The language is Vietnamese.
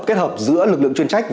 kết hợp giữa lực lượng chuyên trách